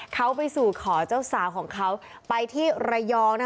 เขาไปสู่ขอเจ้าสาวของเขาไปที่ระยองนะคะ